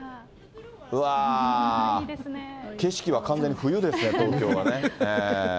うわあ、景色は完全に冬ですね、東京はね。